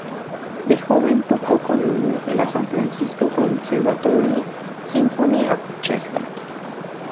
De joven, tocó con la San Francisco Conservatory Symphony Orchestra.